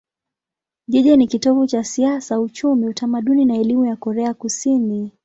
Jiji ni kitovu cha siasa, uchumi, utamaduni na elimu ya Korea Kusini.